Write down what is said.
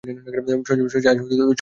শশী আজ সব বুঝিতে পারে।